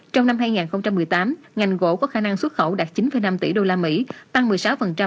trong năm hai nghìn một mươi tám ngành gỗ có khả năng xuất khẩu đạt chín năm tỷ usd